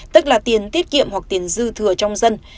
tức là tiền tiết kiệm hoặc tiền dư thừa trong dân